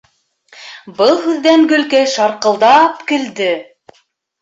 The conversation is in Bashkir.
Был һүҙҙән Гөлкәй шарҡылдап көлдө.